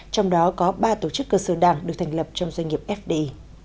trong đó có ba tổ chức cơ sở đảng được thành lập trong doanh nghiệp fdi